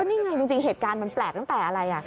นี่ไงจริงเหตุการณ์มันแปลกตั้งแต่อะไร